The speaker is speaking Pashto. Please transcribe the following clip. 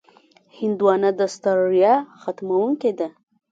هندوانه د ستړیا ختموونکې ده.